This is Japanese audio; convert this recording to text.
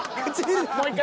もう１回。